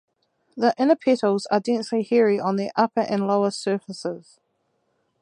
The inner petals are densely hairy on their upper and lower surfaces.